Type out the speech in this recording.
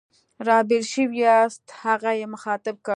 را بېل شوي یاست؟ هغه یې مخاطب کړ.